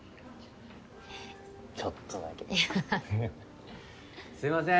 ちょっとだけすいません